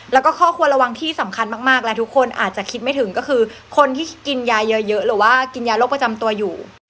แล้วก็ครอบครัวระวังที่สำคัญมากและทุกคนอาจจะคิดไม่ถึงก็คือคนที่กินยาเยอะหรือว่ากินยาโรคประจำตัวอยู่